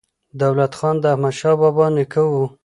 دولت خان د احمدشاه بابا نیکه و.